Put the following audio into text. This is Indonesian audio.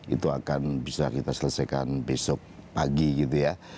itu akan bisa kita selesaikan besok pagi gitu ya